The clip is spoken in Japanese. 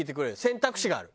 選択肢がある！